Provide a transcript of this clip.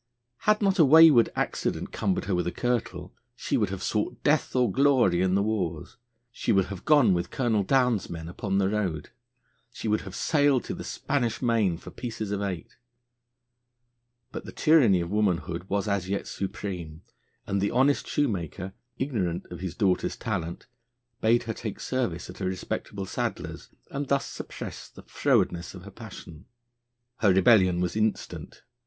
Had not a wayward accident cumbered her with a kirtle, she would have sought death or glory in the wars; she would have gone with Colonel Downe's men upon the road; she would have sailed to the Spanish Main for pieces of eight. But the tyranny of womanhood was as yet supreme, and the honest shoemaker, ignorant of his daughter's talent, bade her take service at a respectable saddler's, and thus suppress the frowardness of her passion. Her rebellion was instant.